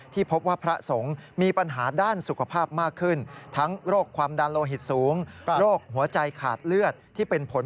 ที่พบว่าพระสงฆ์มีปัญหาด้านสุขภาพมากขึ้น